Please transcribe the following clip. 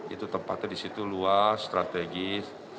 itu tempatnya di situ luas strategis